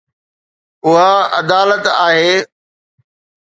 اها عدالت آهي